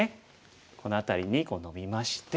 この辺りにノビまして。